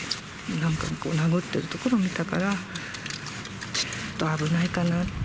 何回も殴ってるところを見たから、ちょっと危ないかなって。